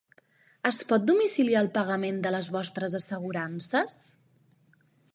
Es pot domiciliar el pagament de les vostres assegurances?